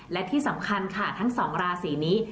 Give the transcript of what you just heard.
และที่สำคัญค่ะทั้งสองราศีนี้